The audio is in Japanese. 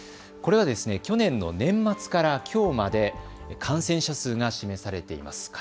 これは去年の年末からきょうまで感染者数が示されています。